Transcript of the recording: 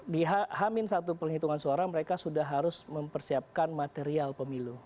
di hamin satu penghitungan suara mereka sudah harus mempersiapkan material pemilu